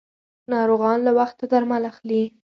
ناروغان له وخته درمل اخلي.